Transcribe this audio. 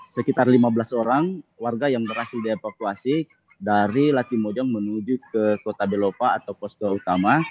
sekitar lima belas orang warga yang berhasil dievakuasi dari latimojong menuju ke kota belopa atau posko utama